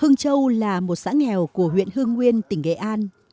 hương châu là một xã nghèo của huyện hương nguyên tỉnh nghệ an